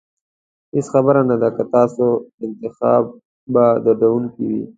هېڅ خبره نه ده که ستاسو انتخاب به دردونکی وي.